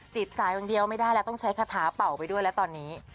บสายอย่างเดียวไม่ได้แล้วต้องใช้คาถาเป่าไปด้วยแล้วตอนนี้